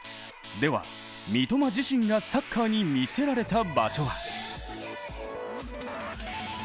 では、三笘自身がサッカーに魅せられた場所は